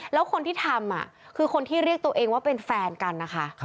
แล้วคนที่ทำคือคนที่เรียกตัวเองว่าเป็นแฟนกันนะคะ